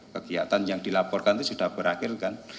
kegiatan yang dilaporkan itu sudah berakhir kan